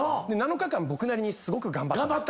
７日間僕なりにすごく頑張った。